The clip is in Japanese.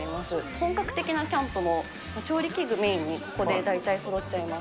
本格的なキャンプも、調理器具メインに、ここで大体、そろっちゃいます。